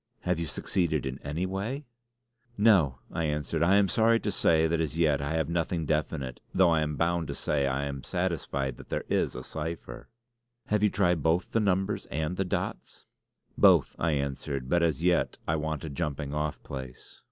"Have you succeeded in any way?" "No!" I answered. "I am sorry to say that as yet I have nothing definite; though I am bound to say I am satisfied that there is a cipher." "Have you tried both the numbers and the dots?" "Both," I answered; "but as yet I want a jumping off place."